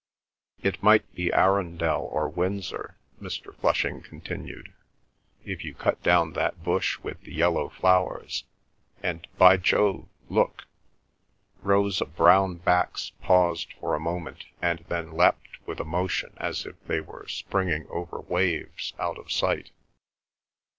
"It might be Arundel or Windsor," Mr. Flushing continued, "if you cut down that bush with the yellow flowers; and, by Jove, look!" Rows of brown backs paused for a moment and then leapt with a motion as if they were springing over waves out of sight.